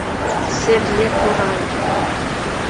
СЕРЛЕ ҠУРАЙ